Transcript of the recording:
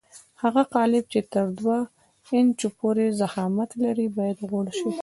هغه قالب چې تر دوه انچو پورې ضخامت لري باید غوړ شي.